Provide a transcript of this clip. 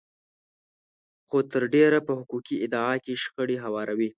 خو تر ډېره په حقوقي ادعا کې شخړې هواروي.